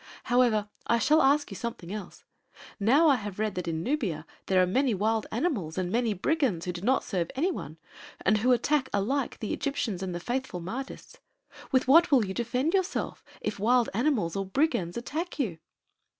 However, I shall ask you something else. Now I have read that in Nubia there are many wild animals and many brigands who do not serve any one and who attack alike the Egyptians and the faithful Mahdists. With what will you defend yourself, if wild animals or brigands attack you?"